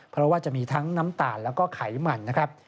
เพราะว่าจะมีทั้งน้ำตาลและไขมัน